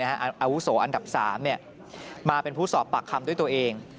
อาวุโสอันดับ๓มาเป็นผู้สอบปากคำด้วยตัวเอง